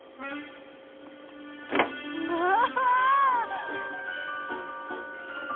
わあ！